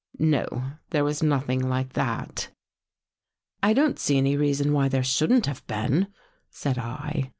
No, there was nothing like that." " I don't see any reason why there shouldn't have been," said 1.